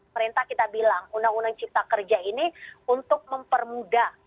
perintah kita bilang undang undang cipta kerja ini untuk mempermudah